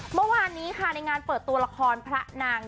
เมื่อวานนี้ค่ะในงานเปิดตัวละครพระนาง